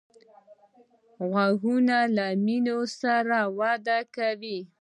غوږونه له مینې سره وده کوي